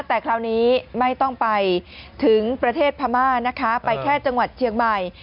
แต่คราวนี้ไม่ต้องไปถึงประเทศพม่านะคะไปแค่จังหวัดเชียงใหม่